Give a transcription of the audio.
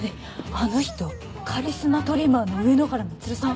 あの人カリスマトリマーの上野原美鶴さん？